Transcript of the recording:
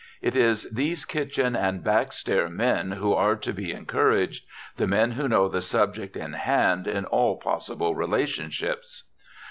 It is these kitchen and backstair men who are to be encouraged, the men who know the subject in hand in all possible relationships.